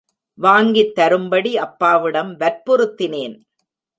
வாங்கித் தரும்படி அப்பாவிடம் வற்புறுத்தினேன்.